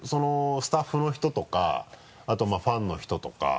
スタッフの人とかあとファンの人とか。